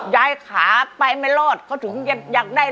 ยายขาไปไม่รอดเขาถึงจะอยากได้